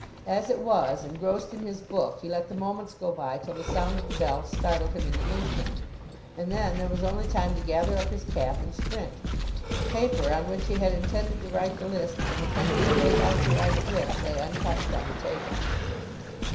As it was, engrossed in his book, he let the moments go by till the sound on the bell startled him into movement. And then there was only time to gather up his cap, and sprint. The paper on which he had intended to write the list and the pen he had laid out to write it with lay untouched on the table.